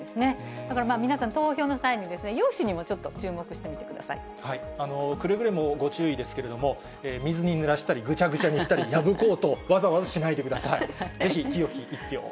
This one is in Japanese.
だから皆さん、投票の際に用紙にも、くれぐれもご注意ですけれども、水にぬらしたり、ぐちゃぐちゃにしたり、破こうとわざわざしないでください、ぜひ、清き一票を。